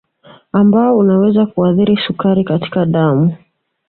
Ambao unaweza kuathiri sukari katika damu